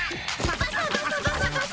バサバサバサバサ。